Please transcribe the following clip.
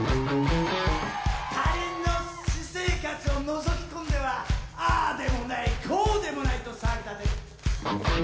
他人の私生活をのぞき込んではああでもないこうでもないと騒ぎ立てる。